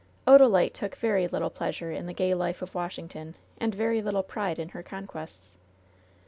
Odalite took very little pleasure in the gay life of Washington, and very little pride in her conquests.